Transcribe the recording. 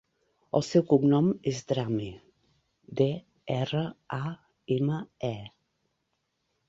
El seu cognom és Drame: de, erra, a, ema, e.